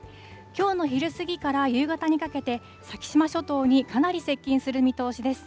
きょうの昼過ぎから夕方にかけて、先島諸島にかなり接近する見通しです。